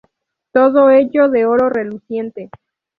Todo ello de oro reluciente.